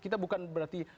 kita bukan berarti